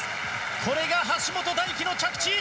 これが橋本大輝の着地。